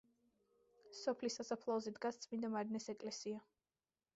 სოფლის სასაფლაოზე დგას წმინდა მარინეს ეკლესია.